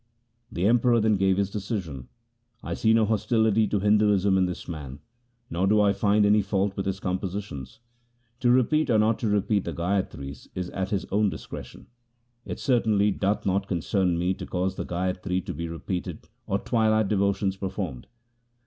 The Emperor then gave his decision :' I see no hostility to Hinduism in this man, nor do I find any fault with his compositions. To repeat or not to re peat the gayatri is at his own discretion. It certainly doth not concern me to cause the gayatri to be re peated or twilight devotions performed.